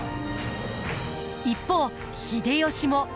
一方秀吉も。